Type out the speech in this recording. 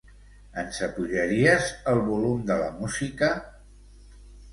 Ens apujaries el volum de la música?